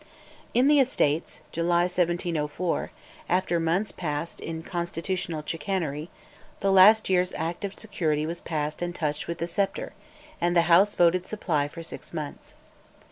In the Estates (July 1704), after months passed in constitutional chicanery, the last year's Act of Security was passed and touched with the sceptre; and the House voted Supply for six months.